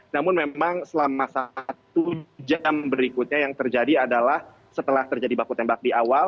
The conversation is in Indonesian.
namun memang selama satu jam berikutnya yang terjadi adalah setelah terjadi baku tembak di awal